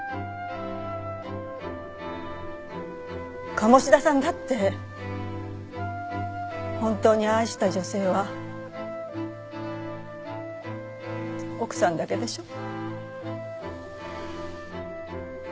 鴨志田さんだって本当に愛した女性は奥さんだけでしょう？